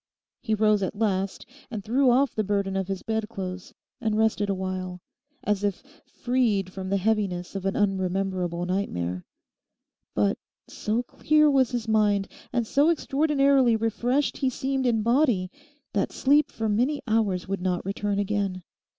He rose at last and threw off the burden of his bedclothes, and rested awhile, as if freed from the heaviness of an unrememberable nightmare. But so clear was his mind and so extraordinarily refreshed he seemed in body that sleep for many hours would not return again.